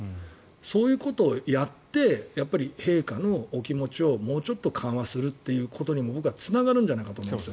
そういうことをやって陛下のお気持ちをもうちょっと緩和するということにも僕はつながるんじゃないかと思うんです。